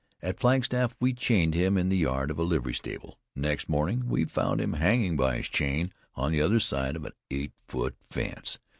At Flagstaff we chained him in the yard of a livery stable. Next morning we found him hanging by his chain on the other side of an eight foot fence.